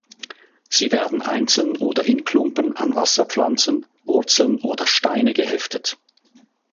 Sie werden einzeln oder in Klumpen an Wasserpflanzen, Wurzeln oder Steine geheftet.